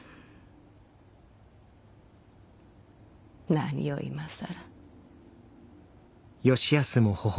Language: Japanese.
何を今更。